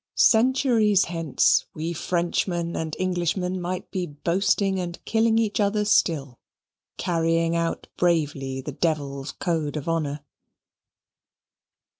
Centuries hence, we Frenchmen and Englishmen might be boasting and killing each other still, carrying out bravely the Devil's code of honour.